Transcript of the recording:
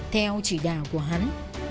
theo chỉ đạo của hắn